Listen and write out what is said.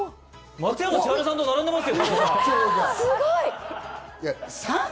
松山千春さんと並んでますよ！